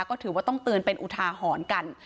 ก็ถือว่าต้องเตือนเป็นอุทาหรณ์กัน